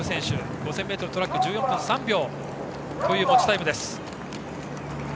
５０００ｍトラックは１４分３秒という持ちタイムです。